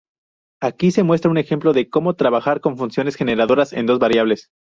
Aquí se muestra un ejemplo de cómo trabajar con funciones generadoras en dos variables.